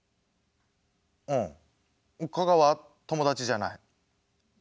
うん加賀は友達じゃない。